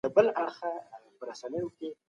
د بل چا عیبونه مه لټوئ.